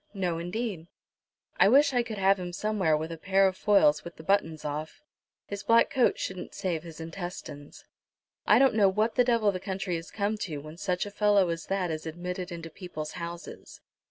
"No, indeed." "I wish I could have him somewhere with a pair of foils with the buttons off. His black coat shouldn't save his intestines. I don't know what the devil the country is come to, when such a fellow as that is admitted into people's houses."